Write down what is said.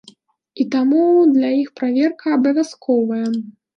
І таму для іх праверка абавязковая.